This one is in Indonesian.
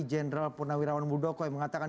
jenderal purnawirawan muldoko yang mengatakan